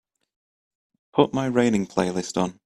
put my raining playlist on